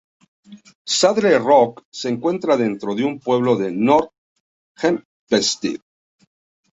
Saddle Rock se encuentra dentro del pueblo de North Hempstead.